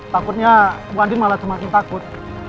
takutnya bu andin malah semakin takut